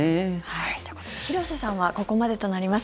ということで廣瀬さんはここまでとなります。